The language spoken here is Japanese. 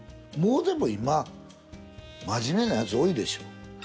もうでも今真面目なヤツ多いでしょ。